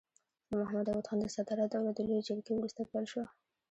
د محمد داود خان د صدارت دوره د لويې جرګې وروسته پیل شوه.